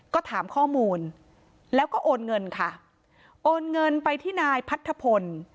ก็ถามข้อมูลแล้วก็โอนเงินค่ะโอนเงินไปที่นายพัทธพล